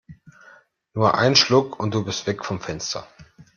Nur ein Schluck und du bist weg vom Fenster!